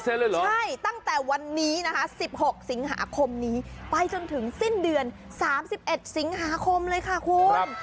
ใช่เลยเหรอใช่ตั้งแต่วันนี้นะคะ๑๖สิงหาคมนี้ไปจนถึงสิ้นเดือน๓๑สิงหาคมเลยค่ะคุณ